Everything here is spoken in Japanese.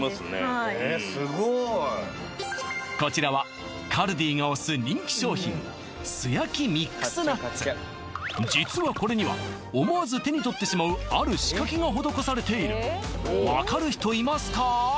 はいえっすごいこちらはカルディが推す実はこれには思わず手に取ってしまうある仕掛けが施されているわかる人いますか？